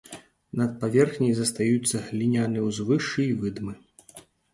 Над паверхняй застаюцца гліняныя ўзвышшы і выдмы.